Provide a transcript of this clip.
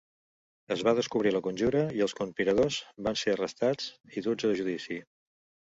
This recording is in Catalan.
Es va descobrir la conjura i els conspiradors van ser arrestats i duts a judici.